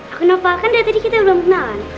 aku nopal kan dari tadi kita belum kenalan